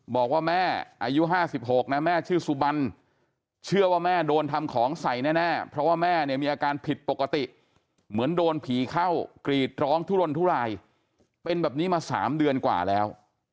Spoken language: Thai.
บอกว่าแม่อายุ๕๖นะแม่ชื่อสุบันเชื่อว่าแม่โดนทำของใส่แน่เพราะว่าแม่เนี่ยมีอาการผิดปกติเหมือนโดนผีเข้ากรีดร้องทุรนทุรายเป็นแบบนี้มา๓เดือนกว่าแล้ว